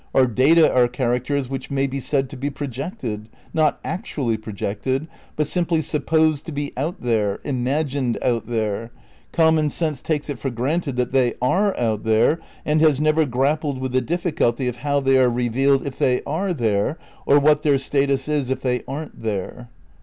Our data are characters which may be said to be projected. ... Not actually projected ... but simply supposed to be out there, 'imagined' out there ... common sense takes it for granted that they are out there and has never grappled with the difficulty of how they are revealed if they are there, or what their status is if they aren't there."